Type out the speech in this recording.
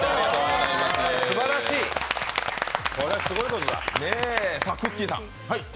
すばらしい、これはすごいことだ。